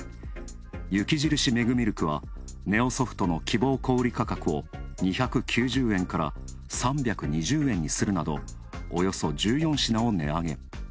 雪印メグミルクは、ネオソフトの希望小売価格を２９０円から３２０円にするなど、およそ１４品を値上げ。